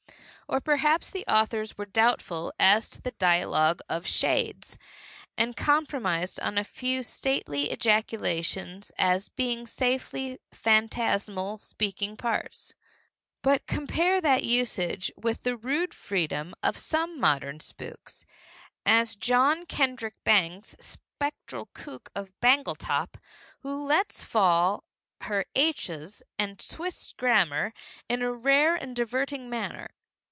Or perhaps the authors were doubtful as to the dialogue of shades, and compromised on a few stately ejaculations as being safely phantasmal speaking parts. But compare that usage with the rude freedom of some modern spooks, as John Kendrick Bangs's spectral cook of Bangletop, who lets fall her h's and twists grammar in a rare and diverting manner.